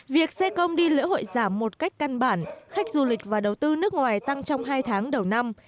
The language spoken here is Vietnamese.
việc xe công đi lễ hội giảm một cách căn bản khách du lịch và đầu tư nước ngoài tăng trong hai tháng đầu năm